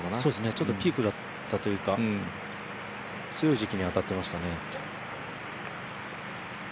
ちょっとピークだったというか強い時期に当たってましたね。